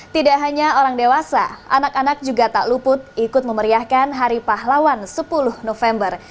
tidak hanya orang dewasa anak anak juga tak luput ikut memeriahkan hari pahlawan sepuluh november